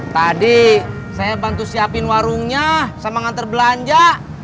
tadi saya bantu siapin warungnya sama ngantar belanja